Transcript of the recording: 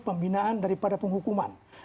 pembinaan daripada penghukuman